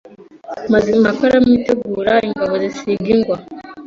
Mazimpaka aramwitegura, ingabo zisiga ingwa